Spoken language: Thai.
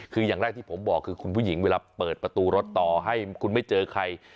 คืออย่างแรกที่ผมบอกคือคุณผู้หญิงเวลาเปิดประตูรถต่อให้คุณไม่เจอใคร